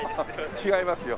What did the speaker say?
違いますよ。